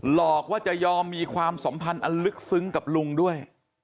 หลอกว่าจะยอมมีความสัมพันธ์อันลึกซึ้งกับลุงด้วย